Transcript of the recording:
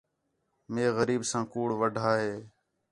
مے غریب ساں کُوڑ وڈھا ہِے